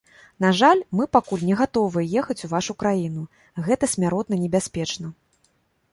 На жаль, мы пакуль не гатовыя ехаць у вашу краіну, гэта смяротна небяспечна.